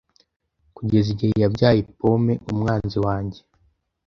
Kugeza igihe yabyaye pome Umwanzi wanjye